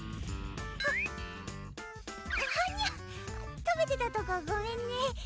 はっはにゃ食べてたとこごめんね